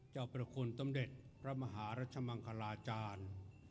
พระคุณสมเด็จพระมหารัชมังคลาจารย์